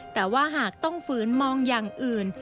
แต่ว่าหากต้องฝืนมองอย่างอื่น